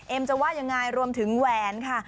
จะว่ายังไงรวมถึงแหวนค่ะ